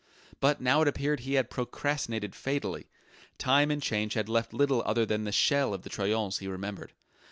But now it appeared he had procrastinated fatally: Time and Change had left little other than the shell of the Troyon's he remembered.